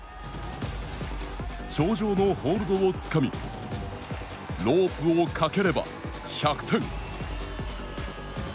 頂上のホールドをつかみロープをかければ１００点。